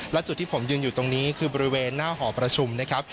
และจุดที่ผมยืนอยู่ตรงนี้คือบริเวณหน้าหอประชุมนะครับ